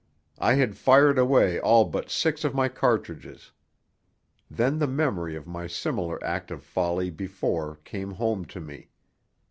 I had fired away all but six of my cartridges. Then the memory of my similar act of folly before came home to me.